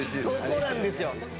そこなんですよ。